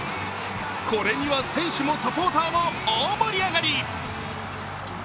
これには選手もサポーターも大盛り上がり。